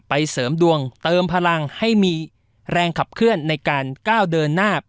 เสริมดวงเติมพลังให้มีแรงขับเคลื่อนในการก้าวเดินหน้า